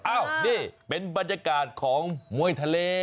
อ้าวนี่เป็นบรรยากาศของมวยทะเล